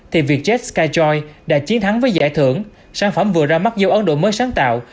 thì vietjet skyjoy đã chiến thắng với giải thưởng sản phẩm vừa ra mắt dấu ấn đổi mới sáng tạo